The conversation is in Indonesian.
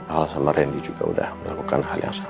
hal sama randy juga udah melakukan hal yang sama